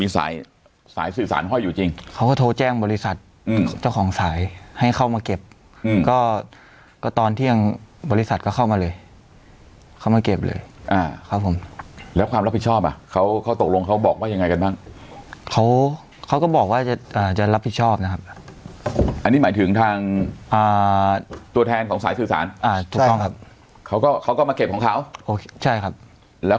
สายสายสื่อสารห้อยอยู่จริงเขาก็โทรแจ้งบริษัทอืมเจ้าของสายให้เข้ามาเก็บอืมก็ก็ตอนเที่ยงบริษัทก็เข้ามาเลยเข้ามาเก็บเลยอ่าครับผมแล้วความรับผิดชอบอ่ะเขาเขาตกลงเขาบอกว่ายังไงกันบ้างเขาเขาก็บอกว่าจะอ่าจะรับผิดชอบนะครับอันนี้หมายถึงทางตัวแทนของสายสื่อสารอ่าถูกต้องครับเขาก็เขาก็มาเก็บของเขาโอเคใช่ครับแล้ว